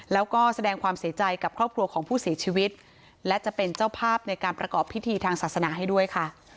แล้วก็แสดงความเสียใจกับครอบครัวของผู้เสียชีวิตและจะเป็นเจ้าภาพในการประกอบพิธีทางศาสนาให้ด้วยค่ะ